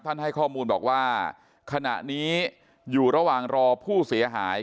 ให้ข้อมูลบอกว่าขณะนี้อยู่ระหว่างรอผู้เสียหาย